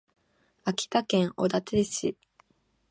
秋田県大館市